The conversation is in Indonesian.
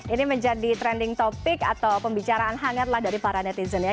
ini menjadi trending topic atau pembicaraan hangat lah dari para netizen ya